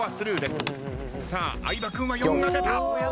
相葉君は４が出た！